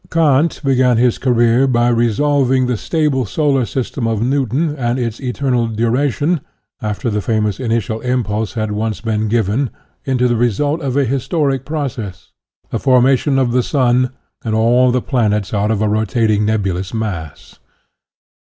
Kant began his career by resolving the stable solar system of Newton and its eternal duration, after the famous initial impulse had once been given, into the result of a historic process, the forma tion of the sun and all the planets out of a rotating nebulous mass.